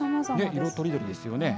色とりどりですよね。